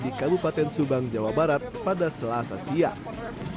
di kabupaten subang jawa barat pada selasa siang